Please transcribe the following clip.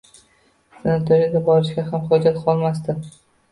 Sanatoriyalarga borishga ham hojat qolmasdi.